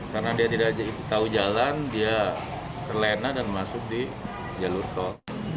karena dia tidak tahu jalan dia terlena dan masuk di jalur tol